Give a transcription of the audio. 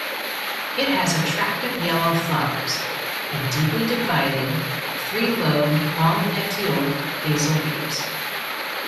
It has attractive yellow flowers, and deeply divided, three-lobed long-petioled basal leaves.